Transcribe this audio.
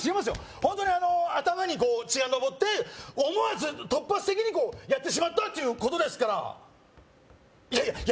ホントに頭に血が上って思わず突発的にやってしまったということですからいやいやいや